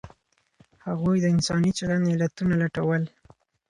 هغوی د انساني چلند علتونه لټول.